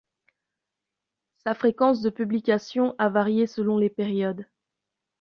Sa fréquence de publication a varié selon les périodes.